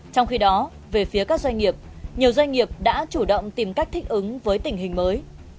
trong khi đó về phía các doanh nghiệp nhiều doanh nghiệp đã chủ động tìm cách thích ứng với tình hình mới